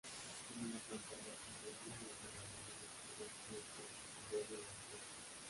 Tiene una planta baja medio enterrada y una superior cubierta con bóveda de piedra.